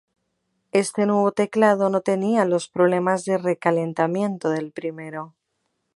Este nuevo teclado no tenía los problemas de recalentamiento del primero.